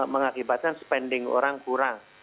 mengakibatkan spending orang kurang